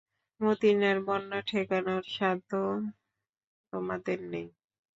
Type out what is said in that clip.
মদীনার বন্যা ঠেকানোর সাধ্য তোমাদের নেই।